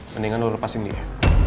mendingan lo lepasin dia